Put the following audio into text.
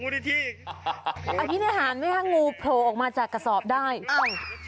บุริธีอภินิหารไม่ให้งูโผล่ออกมาจากกระสอบได้อ้าว